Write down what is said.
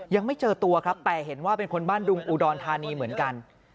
ยังไม่เจอตัวครับแต่เห็นว่าเป็นคนบ้านดุงอุดรธานีเหมือนกัน